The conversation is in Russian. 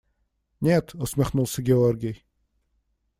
– Нет, – усмехнулся Георгий.